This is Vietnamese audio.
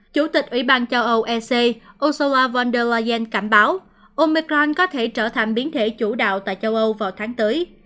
chủ tịch ủy ban châu âu ec osoa von der leyen cảnh báo omecron có thể trở thành biến thể chủ đạo tại châu âu vào tháng tới